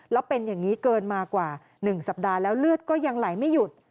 แล้วเป็นอย่างนี้เกินมากว่า๑สัปดาห์แล้วเลือดก็ยังไหลไม่หยุด